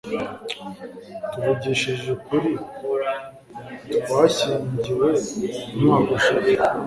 tuvugishije ukuri, twashyingiwe umwaka ushize